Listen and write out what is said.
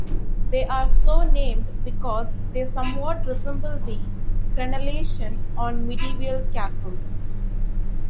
They are so named because they somewhat resemble the crenellation on medieval castles.